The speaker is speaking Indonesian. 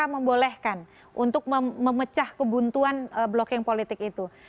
lalu mk membolehkan untuk memecah kebuntuan blocking politik itu